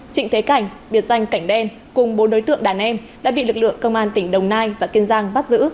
trịnh thế cảnh biệt danh cảnh đen cùng bốn đối tượng đàn em đã bị lực lượng công an tỉnh đồng nai và kiên giang bắt giữ